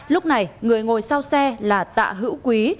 lúc này người ngồi sau xe là tạ hữu quý